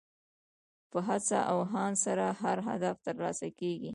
په هڅه او هاند سره هر هدف ترلاسه کېږي.